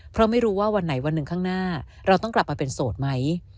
เพราะไม่รู้ว่าวันไหนวันหนึ่งข้างหน้าเราต้องกลับมาเป็นโสดไหม